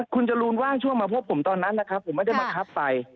คุณจรูนว่างช่วงมาพบผมตอนนั้นนะครับผมไม่ได้บังคับไป